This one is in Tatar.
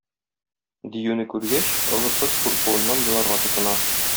Диюне күргәч, олы кыз куркуыннан еларга тотына.